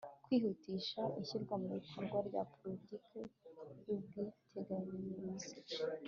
kwihutisha ishyirwa mu bikorwa rya politiki y'ubwiteganyirize